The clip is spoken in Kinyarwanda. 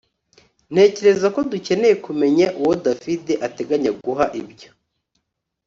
ntekereza ko dukeneye kumenya uwo davide ateganya guha ibyo